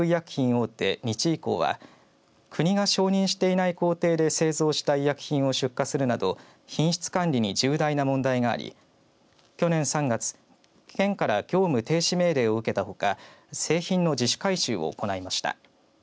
大手日医工は国が承認していない工程で製造した医薬品を出荷するなど品質管理に重大な問題があり去年３月県から業務停止命令を受けたほか製品の自主回収を行いました。